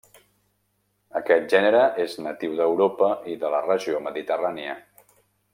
Aquest gènere és natiu d'Europa i de la regió mediterrània.